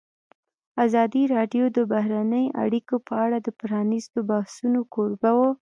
ازادي راډیو د بهرنۍ اړیکې په اړه د پرانیستو بحثونو کوربه وه.